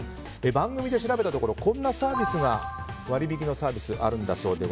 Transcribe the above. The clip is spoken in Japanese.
番組で調べたところこんな割引のサービスがあるんだそうです。